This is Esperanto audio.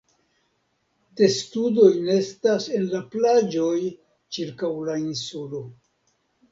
Testudoj nestas en la plaĝoj ĉirkaŭ la insulo.